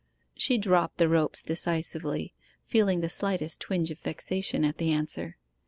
She dropped the ropes decisively, feeling the slightest twinge of vexation at the answer.